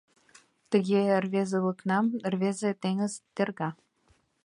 Тыге рвезылыкнам Рвезе теҥыз терга…